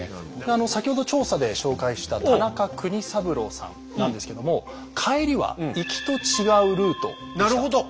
先ほど調査で紹介した田中国三郎さんなんですけども帰りは行きと違うルートでした。